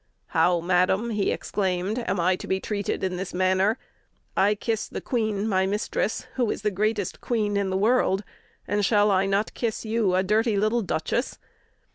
"How, madam," he exclaimed, "am I to be treated in this manner? I kiss the Queen, my mistress, who is the greatest queen in the world, and shall I not kiss you, a dirty little Duchess?"